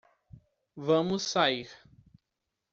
Vamos sair